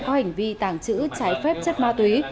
có hành vi tàng trữ trái phép chất ma túy